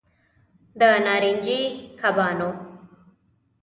د نارنجي کبانو